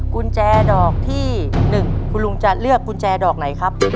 กุญแจดอกที่๑คุณลุงจะเลือกกุญแจดอกไหนครับ